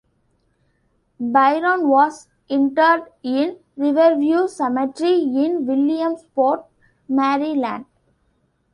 Byron was interred in Riverview Cemetery in Williamsport, Maryland.